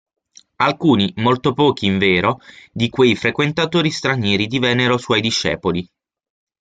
Alcuni, molto pochi invero, di quei frequentatori stranieri divennero suoi discepoli.